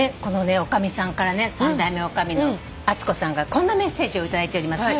女将さんからね３代目女将の厚子さんがこんなメッセージを頂いております。